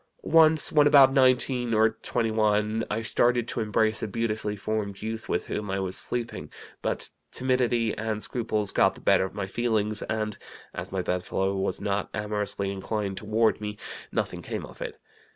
Once, when about 19 or 21, I started to embrace a beautifully formed youth with whom I was sleeping, but timidity and scruples got the better of my feelings, and, as my bedfellow was not amorously inclined toward me, nothing came of it.